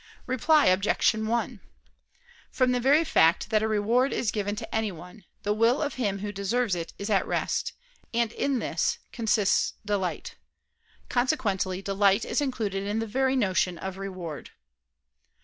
Reply Obj. 1: From the very fact that a reward is given to anyone, the will of him who deserves it is at rest, and in this consists delight. Consequently, delight is included in the very notion of reward.